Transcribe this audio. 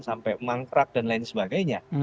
sampai mangkrak dan lain sebagainya